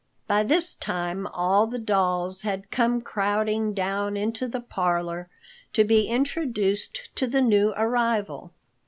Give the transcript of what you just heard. By this time all the dolls had come crowding down into the parlor to be introduced to the new arrival.